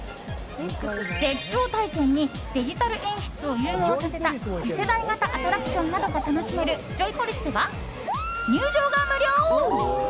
絶叫体験にデジタル演出を融合させた次世代型アトラクションなどが楽しめるジョイポリスでは入場が無料。